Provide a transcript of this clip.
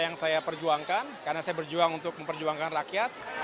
yang belum terbukti